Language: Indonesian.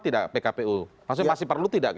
tidak pkpu maksudnya masih perlu tidak